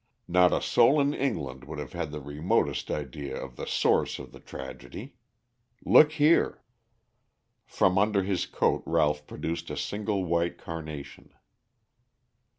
Not a soul in England would have had the remotest idea of the source of the tragedy. Look here." From under his coat Ralph produced a single white carnation.